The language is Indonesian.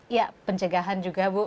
iya pencegahan juga bu